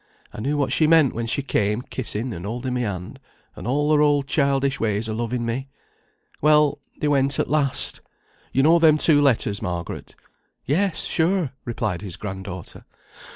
I knew what she meant when she came kissing, and holding my hand, and all her old childish ways o' loving me. Well, they went at last. You know them two letters, Margaret?" "Yes, sure," replied his grand daughter.